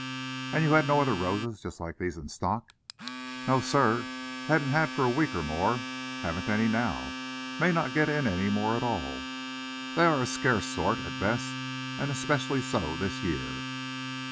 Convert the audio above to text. "And you had no other roses just like these in stock?" "No, sir. Hadn't had for a week or more. Haven't any now. May not get any more at all. They're a scarce sort, at best, and specially so this year."